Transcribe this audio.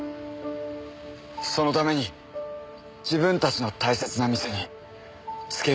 そのために自分たちの大切な店に付け火までして。